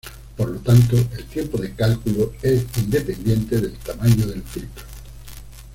Por lo tanto, el tiempo de cálculo es independiente del tamaño del filtro.